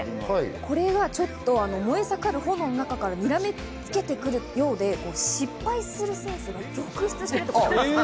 これがちょっと燃え盛る炎の中からにらみつけてくるようで失敗する選手が続出すると。